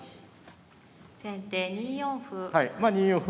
先手２四歩。